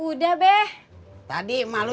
udah pulang lo